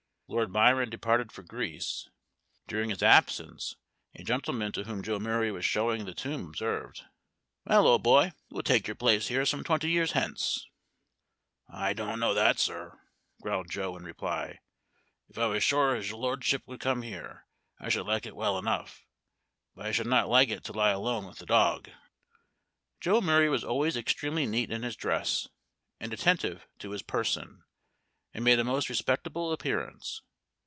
Lord Byron departed for Greece; during his absence, a gentleman to whom Joe Murray was showing the tomb, observed, "Well, old boy, you will take your place here some twenty years hence." "I don't know that, sir," growled Joe, in reply, "if I was sure his Lordship would come here, I should like it well enough, but I should not like to lie alone with the dog." Joe Murray was always extremely neat in his dress, and attentive to his person, and made a most respectable appearance.